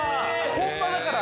本場だから。